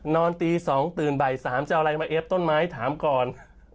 นอนตี๒ตื่นบ่าย๓จะเอาอะไรมาเอฟต้นไม้ถามก่อน